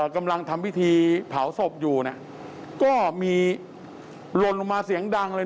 กำลังทำพิธีเผาศพอยู่ก็มีหล่นลงมาเสียงดังเลย